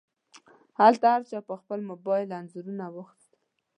هلته هر چا په خپل موبایل انځورونه واخیستل.